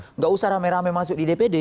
tidak usah ramai ramai masuk di dpd